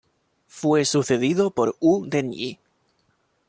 Fue sucedido por Wu Den-yih